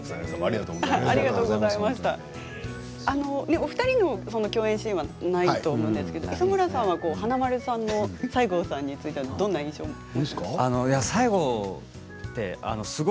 お二人の共演シーンはないと思うんですけども磯村さんは華丸さんの西郷さんについてどんな印象がありますか？